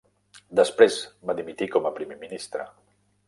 Després va dimitir com a primer ministre.